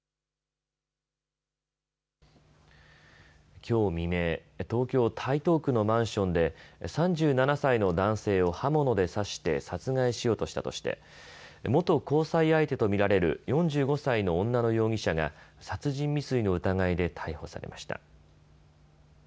きょう未明、東京台東区のマンションで３７歳の男性を刃物で刺して殺害しようとしたとして元交際相手と見られる４５歳の女の容疑者が殺人未遂の疑いで逮捕されました。